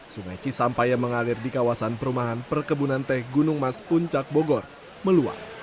sungai cisampaya mengalir di kawasan perumahan perkebunan teh gunung mas puncak bogor meluang